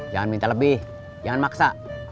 jangan minta lebih jangan maksa